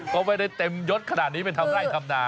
ก็ไม่ได้เต็มยดขนาดนี้ไปทำไร่ทำนา